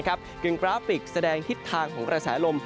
กึ่งกราฟิกแสดงทิศทางของกระแสลม